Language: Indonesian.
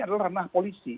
adalah renang polisi